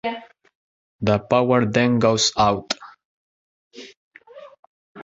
The power then goes out.